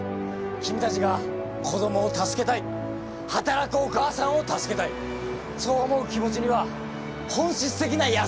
君たちが子供を助けたい働くお母さんを助けたいそう思う気持ちには本質的な優しさがある。